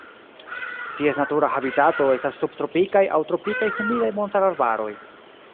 Ties natura habitato estas subtropikaj aŭ tropikaj humidaj montararbaroj.